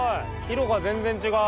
色が全然違う。